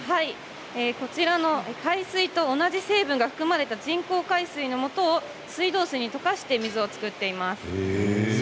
こちらの海水と同じ成分が含まれた人工海水のもとを溶かして作っています。